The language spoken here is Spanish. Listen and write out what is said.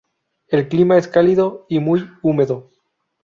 El clima es cálido y muy húmedo.